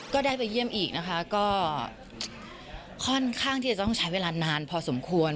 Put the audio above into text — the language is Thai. ก็ได้ไปเยี่ยมอีกนะคะก็ค่อนข้างที่จะต้องใช้เวลานานพอสมควร